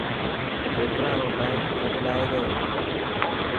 پيپران رو ٽائم ٽيبل آي گيو.